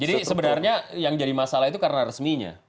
jadi sebenarnya yang jadi masalah itu karena resminya